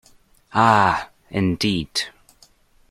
Ah, indeed.